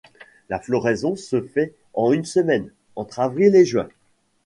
La floraison se fait en une semaine, entre avril et juin.